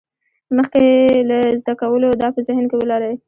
مخکې له زده کولو دا په ذهن کې ولرئ.